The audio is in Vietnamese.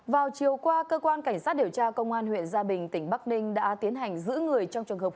vào chiều qua cơ quan cảnh sát điều tra công an huyện gia bình tỉnh bắc ninh đã tiến hành giữ người trong trường hợp